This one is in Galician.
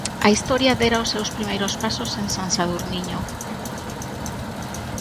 A historia dera os seus primeiros pasos en San Sadurniño.